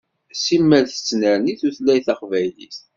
Simmal tettnerni tutlayt taqbaylit.